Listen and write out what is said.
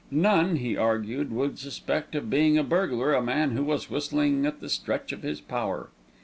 None, he argued, would suspect of being a burglar a man who was whistling at the stretch of his power.